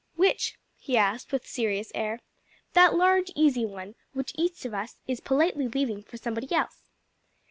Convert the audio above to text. "Which?" he asked with serious air. "That large, easy one, which each of us is politely leaving for somebody else."